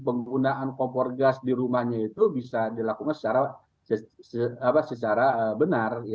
penggunaan kompor gas di rumahnya itu bisa dilakukan secara benar